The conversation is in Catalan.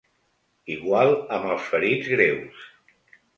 Igual amb els ferits greus.